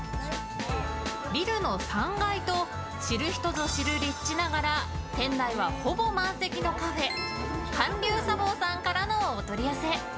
ビルの３階と知る人ぞ知る立地ながら店内は、ほぼ満席のカフェ韓流茶房さんからのお取り寄せ。